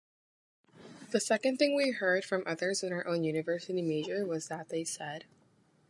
The second thing we heard from others in our own university major was that they said